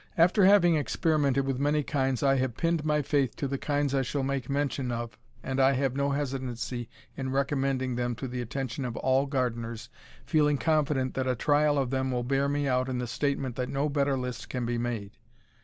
After having experimented with many kinds I have pinned my faith to the kinds I shall make mention of, and I have no hesitancy in recommending them to the attention of all gardeners, feeling confident that a trial of them will bear me out in the statement that no better list can be made.